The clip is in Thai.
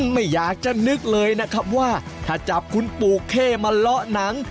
ไม่อยากจะนึกเลยนะครับว่าถ้าจับคุณปู่เข้มาเลาะหนัง